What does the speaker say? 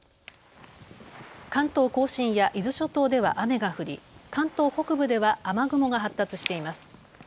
関東甲信や伊豆諸島では雨が降り関東北部では雨雲が発達しています。